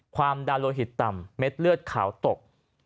ความดาโลหิตต่ำเม็ดเลือดขาวตก